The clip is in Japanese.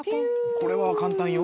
これは簡単よ。